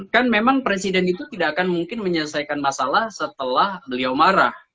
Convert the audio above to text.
kan memang presiden itu tidak akan mungkin menyelesaikan masalah setelah beliau marah